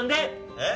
えっ？